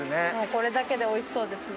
これだけでおいしそうですね。